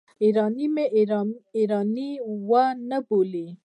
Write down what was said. ایراني مې ایراني ونه بولي.